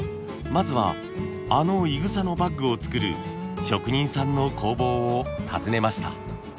まずはあのいぐさのバッグを作る職人さんの工房を訪ねました。